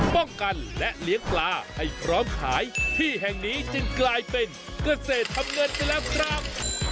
ป้องกันและเลี้ยงปลาให้พร้อมขายที่แห่งนี้จึงกลายเป็นเกษตรทำเงินไปแล้วครับ